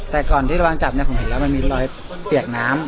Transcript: แต่ก่อนที่ระวังจับเนี่ยผมเห็นแล้วมันมีรอยเปียกน้ำ